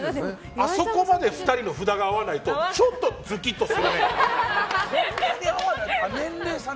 あそこまで２人の札が合わないとちょっとズキッとするね。